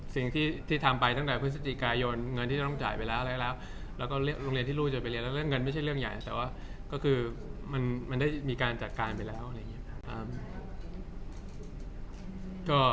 สิ่งที่ทำไปตั้งแต่พฤศจิกายนเงินที่จะต้องจ่ายไปแล้วอะไรแล้วแล้วก็โรงเรียนที่ลูกจะไปเรียนแล้วเรื่องเงินไม่ใช่เรื่องใหญ่แต่ว่าก็คือมันได้มีการจัดการไปแล้วอะไรอย่างนี้ครับ